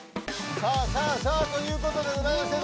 さあさあさあということでございまして。